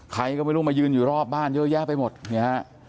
ใครก็ไม่รู้มายืนอยู่รอบบ้านเยอะแยะไปหมดเนี่ยฮะ